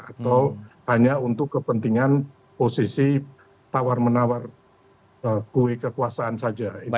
atau hanya untuk kepentingan posisi tawar menawar kue kekuasaan saja